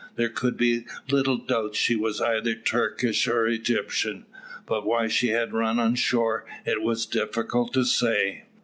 There could be little doubt she was either Turkish or Egyptian, but why she had run on shore it was difficult to say.